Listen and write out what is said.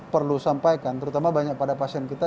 perlu sampaikan terutama banyak pada pasien kita